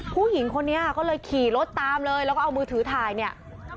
ผู้หญิงคนนี้ก็เลยขี่รถตามเลยแล้วก็เอามือถือถ่ายเนี่ย